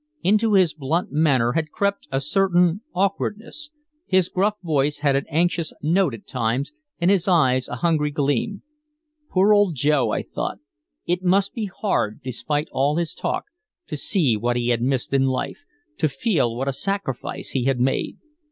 Into his blunt manner had crept a certain awkwardness, his gruff voice had an anxious note at times and his eyes a hungry gleam. Poor old Joe, I thought. It must be hard, despite all his talk, to see what he had missed in life, to feel what a sacrifice he had made.